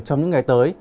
trong những ngày tới